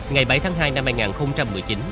ngày bảy tháng hai năm hai nghìn một mươi chín